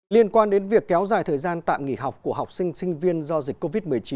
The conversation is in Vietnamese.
liên quan đến việc kéo dài thời gian tạm nghỉ học của học sinh sinh viên do dịch covid một mươi chín